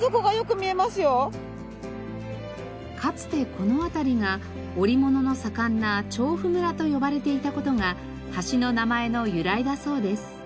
かつてこの辺りが織物の盛んな「調布村」と呼ばれていた事が橋の名前の由来だそうです。